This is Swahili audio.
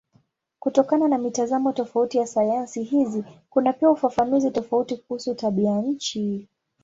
Kutokana na mitazamo tofauti ya sayansi hizi kuna pia ufafanuzi tofauti kuhusu tabianchi.